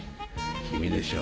君でしょ。